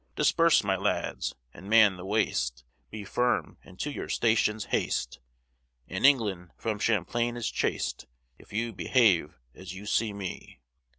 "Disperse, my lads, and man the waist, Be firm, and to your stations haste, And England from Champlain is chased, If you behave as you see me."